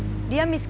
tidak ada apa apa